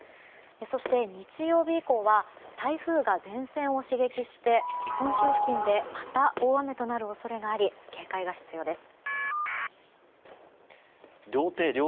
そして、日曜日以降は台風が前線を刺激して本州付近でまた大雨となる恐れがあり警戒が必要です。